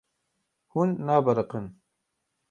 Hûn nabiriqin.